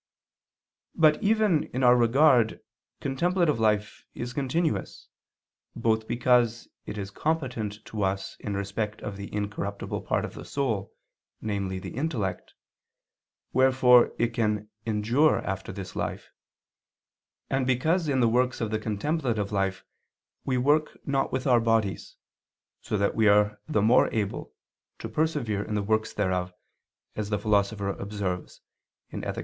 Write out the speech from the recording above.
But even in our regard contemplative life is continuous both because it is competent to us in respect of the incorruptible part of the soul, namely the intellect, wherefore it can endure after this life and because in the works of the contemplative life we work not with our bodies, so that we are the more able to persevere in the works thereof, as the Philosopher observes (Ethic.